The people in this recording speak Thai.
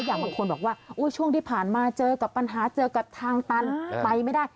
บางคนบอกว่าช่วงที่ผ่านมาเจอกับปัญหาเจอกับทางตันไปไม่ได้